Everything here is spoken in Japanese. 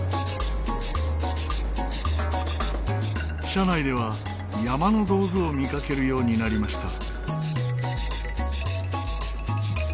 車内では山の道具を見かけるようになりました。